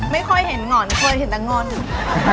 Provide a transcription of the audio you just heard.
ไม่ค่อยเห็นหงอนค่อยเห็นตั้งหงอนถึง